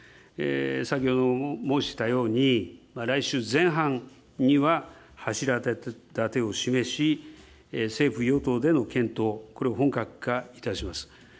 先ほども申したように、来週前半には柱立てを示し、政府・与党での検討、これを本格化いたします。